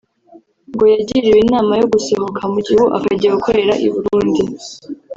ngo yagiriwe inama yo gusohoka mu gihugu akajya gukorera i Burundi